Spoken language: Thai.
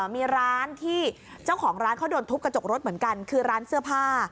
มีร้านที่เจ้าของร้านเขาโดนทุบกระจกรถเหมือนกันคือร้านเสื้อผ้า